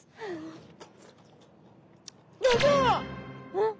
うん？